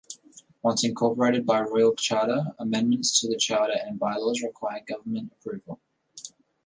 Once incorporated by Royal Charter, amendments to the Charter and by-laws require government approval.